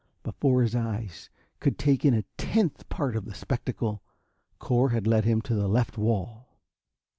Before his eyes could take in a tenth part of the spectacle, Cor had led him to the left wall.